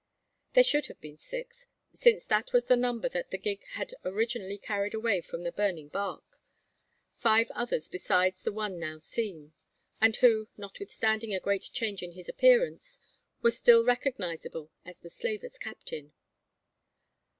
There should have been six; since that was the number that the gig had originally carried away from the burning bark, five others besides the one now seen, and who, notwithstanding a great change in his appearance, was still recognisable as the slaver's captain.